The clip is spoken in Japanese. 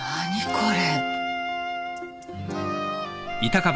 これ。